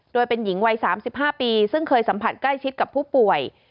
โดยเป็นหญิงวัย๓๕ปีซึ่งเคยสัมผัสใกล้ชิดกับผู้ป่วย